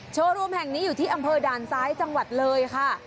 โชว์รูมแห่งนี้อยู่ที่อำเภอด่านซ้ายจังหวัดเลยค่ะ